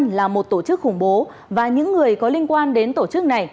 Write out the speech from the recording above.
việt tân là một tổ chức khủng bố và những người có liên quan đến tổ chức này